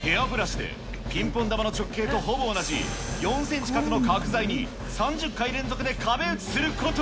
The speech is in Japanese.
豊福さんのすご技、それはヘアブラシで、ピンポン球の直径とほぼ同じ４センチ角の角材に３０回連続で壁打ちすること。